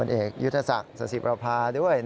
นายยกรัฐมนตรีพบกับทัพนักกีฬาที่กลับมาจากโอลิมปิก๒๐๑๖